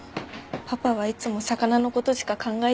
パパはいつも魚の事しか考えてないの。